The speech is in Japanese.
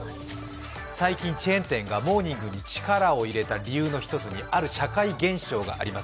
最近チェーン店がモーニングに力を入れた理由の一つにある社会現象があります